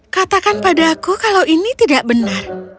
katakan pada aku kalau ini tidak benar